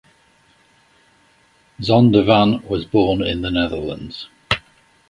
Zondervan was born in the Netherlands.